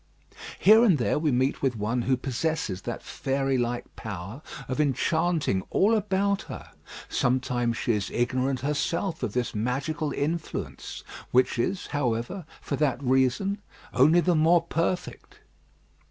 Here and there we meet with one who possesses that fairy like power of enchanting all about her; sometimes she is ignorant herself of this magical influence, which is, however, for that reason, only the more perfect.